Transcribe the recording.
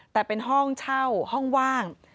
แต่เป็นห้องเช่าห้องว่าง